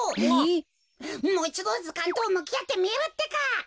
もういちどずかんとむきあってみるってか！